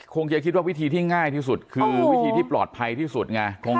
คงจะคิดว่าวิธีที่ง่ายที่สุดคือวิธีที่ปลอดภัยที่สุดไง